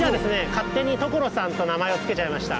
勝手に「トコロサン」と名前を付けちゃいました。